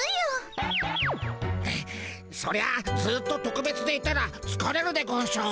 そりゃあずっととくべつでいたらつかれるでゴンショ。